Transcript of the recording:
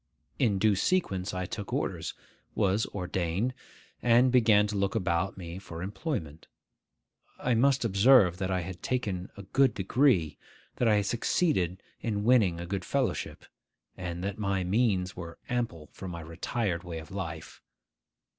In due sequence I took orders, was ordained, and began to look about me for employment. I must observe that I had taken a good degree, that I had succeeded in winning a good fellowship, and that my means were ample for my retired way of life.